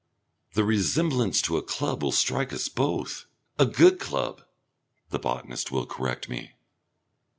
The resemblance to a club will strike us both. "A good club," the botanist will correct me.